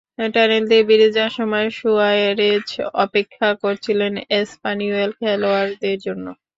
Tunnel দিয়ে বেরিয়ে যাওয়ার সময় সুয়ারেজ অপেক্ষা করছিলেন এসপানিওলের খেলোয়াড়দের জন্য।